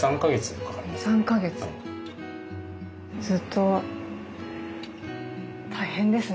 ずっと大変ですね。